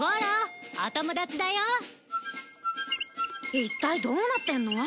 一体どうなってんの？